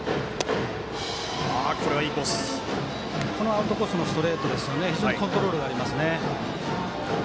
アウトコースのストレート非常にコントロールがありますね。